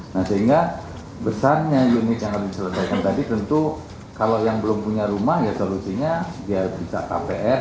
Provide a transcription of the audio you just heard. nah sehingga besarnya unit yang harus diselesaikan tadi tentu kalau yang belum punya rumah ya solusinya dia bisa kpr